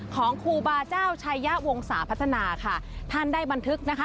ของครูบาเจ้าชายะวงศาพัฒนาค่ะท่านได้บันทึกนะคะ